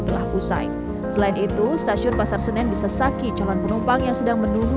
telah usai selain itu stasiun pasar senin di sesaki calon penumpang yang sedang menunggu